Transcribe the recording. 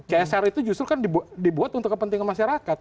csr itu justru kan dibuat untuk kepentingan masyarakat